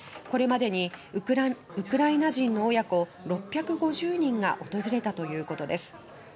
これまでにウクライナ人の親子６５０人が訪れたということです。